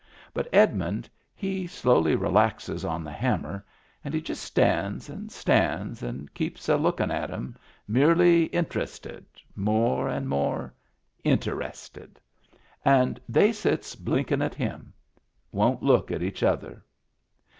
But Edmund he slowly relaxes on the hammer, and he just stands and stands and keeps a lookin' at 'em, merely inter ested — more and more inter ested. And they sits blinkin' at him. Won't look at each other.